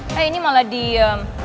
eh ini malah diem